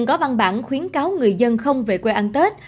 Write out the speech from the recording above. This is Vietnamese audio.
có văn bản khuyến cáo người dân không về quê ăn tết